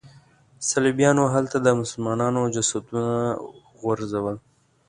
صلیبیانو هلته د مسلمانانو جسدونه غورځول.